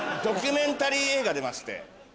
ドキュメンタリー映画出まして。